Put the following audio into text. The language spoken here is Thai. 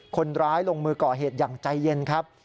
คนร้ายลงมือก่อเหตุอย่างใจเย็นครับ